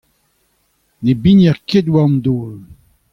ne bigner ket war an daol.